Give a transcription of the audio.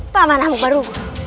paman kamu baru